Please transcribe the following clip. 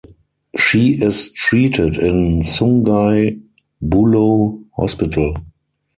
She is treated in Sungai Buloh Hospital.